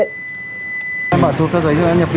nhưng em vừa chở người nhà em đi